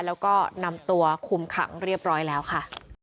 แล้วก็นำตัวคุมขังเรียบร้อยแล้วค่ะ